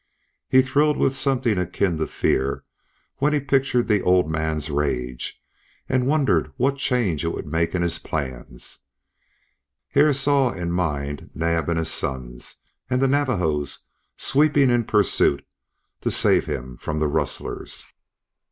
He thrilled with something akin to fear when he pictured the old man's rage, and wondered what change it would make in his plans. Hare saw in mind Naab and his sons, and the Navajos sweeping in pursuit to save him from the rustlers.